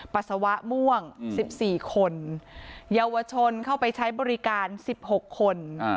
ปัสสาวะม่วงสิบสี่คนเยาวชนเข้าไปใช้บริการสิบหกคน